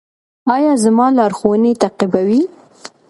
ایا زما لارښوونې تعقیبوئ؟